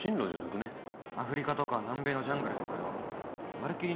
アフリカとか南米のジャングルとかよまるっきり